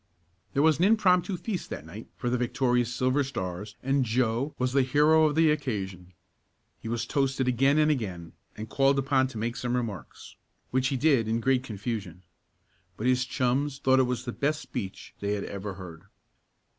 There was an impromptu feast that night for the victorious Silver Stars and Joe was the hero of the occasion. He was toasted again and again, and called upon to make some remarks, which he did in great confusion. But his chums thought it the best speech they had ever heard.